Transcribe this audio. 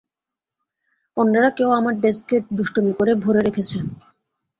অন্যরা কেউ আমার ডেস্কে দুষ্টুমি করে ভরে রেখেছে।